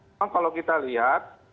namun kalau kita lihat